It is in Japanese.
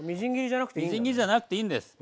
みじん切りじゃなくていいんだね。